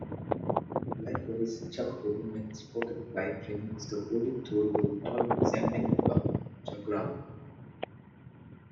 Likewise, Chuck Hoberman's Pocket Flight Ring is a folding, throwable toy resembling a chakram.